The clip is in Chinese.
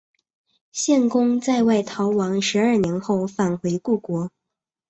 献公在外逃亡十二年后返回故国。